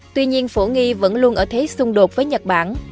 tuy nhiên phổ nghi vẫn luôn ở thế xung đột với nhật bản